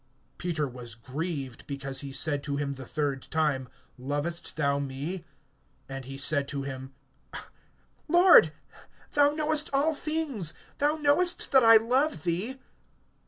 Peter was grieved because he said to him the third time, Lovest thou me? And he said to him: Lord, thou knowest all things; thou knowest that I love thee.